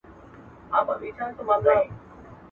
جهاني څه ویل رویبار په ماته، ماته ژبه.